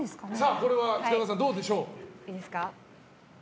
これは北川さんどうでしょう？△！